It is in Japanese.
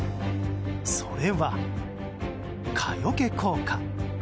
それは、蚊よけ効果。